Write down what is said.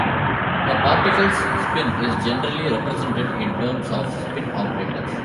A particle's spin is generally represented in terms of spin operators.